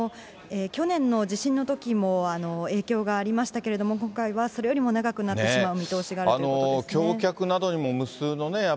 去年の地震のときも影響がありましたけれども、今回はそれよりも長くなってしまう見通しがあるということですね。